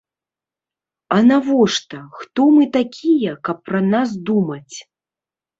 А навошта, хто мы такія, каб пра нас думаць?!